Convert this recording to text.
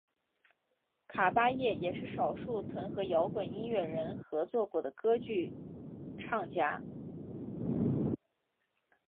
卡芭叶也是少数曾和摇滚音乐人合作过的歌剧唱家。